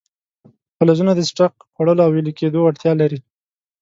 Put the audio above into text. فلزونه د څټک خوړلو او ویلي کېدو وړتیا لري.